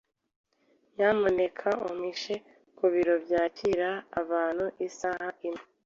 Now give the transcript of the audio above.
Nyamuneka umpishe ku biro byakira abantu isaha imwe.